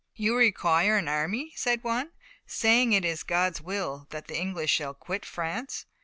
"You require an army," said one, "saying it is God's will that the English shall quit France.